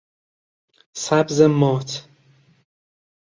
سبز مات